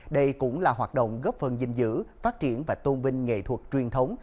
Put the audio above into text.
đây cũng là hoạt động góp phần dinh dữ phát triển và tôn vinh nghệ thuật truyền thống